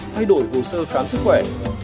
thay đổi bổ sơ khám sức khỏe